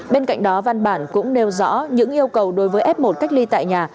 bên cạnh đó văn bản cũng nêu rõ những yêu cầu đối với f một cách ly tại nhà